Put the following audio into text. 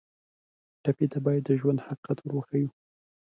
ټپي ته باید د ژوند حقیقت ور وښیو.